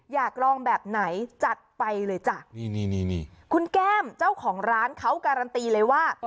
อยากลองแบบไหนจัดไปเลยจ้ะนี่นี่คุณแก้มเจ้าของร้านเขาการันตีเลยว่า